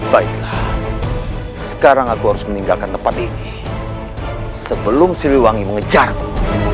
baiklah sekarang aku harus meninggalkan tempat ini sebelum siliwangi mengejarku